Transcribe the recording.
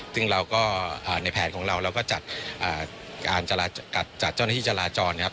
ซึ่งเราก็ในแผนของเราเราก็จัดการจัดเจ้าหน้าที่จราจรนะครับ